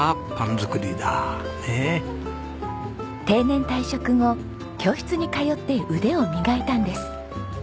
定年退職後教室に通って腕を磨いたんです。